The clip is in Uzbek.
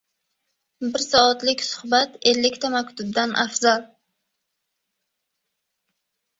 Bir soatlik suhbat ellikta maktubdan afzal.